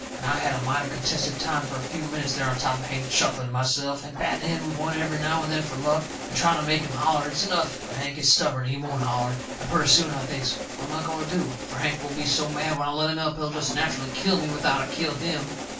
And I had a mighty contented time fur a few minutes there on top of Hank, chuckling to myself, and batting him one every now and then fur luck, and trying to make him holler it's enough. But Hank is stubborn and he won't holler. And purty soon I thinks, what am I going to do? Fur Hank will be so mad when I let him up he'll jest natcherally kill me, without I kill him.